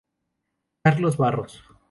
Carlos Barros